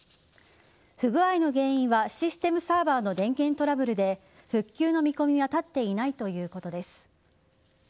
不具合の原因はシステムサーバーの電源トラブルで復旧の見込みは立っていないということです。